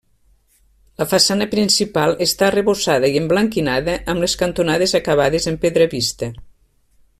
La façana principal està arrebossada i emblanquinada, amb les cantonades acabades en pedra vista.